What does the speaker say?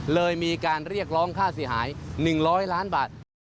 เลยมีการเรียกร้องค่าเสียหาย๑๐๐ล้านบาท